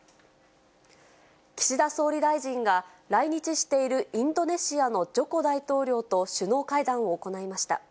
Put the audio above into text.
岸田総理大臣が、来日しているインドネシアのジョコ大統領と首脳会談を行いました。